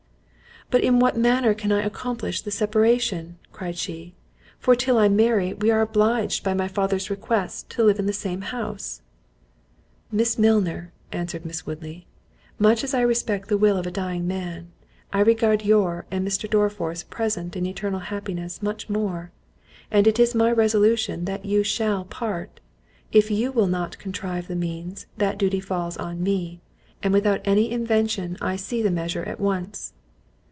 "But in what manner can I accomplish the separation?" cried she, "for till I marry we are obliged, by my father's request, to live in the same house." "Miss Milner," answered Miss Woodley, "much as I respect the will of a dying man, I regard your and Mr. Dorriforth's present and eternal happiness much more; and it is my resolution that you shall part. If you will not contrive the means, that duty falls on me, and without any invention I see the measure at once."